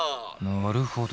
なるほど。